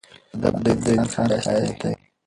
ادب د انسان ښایست دی.